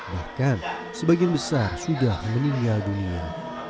bahkan sebagian besar sudah meninggal dunia